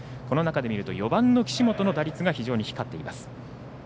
この中で見ると４番の岸本の打率が非常に光っています。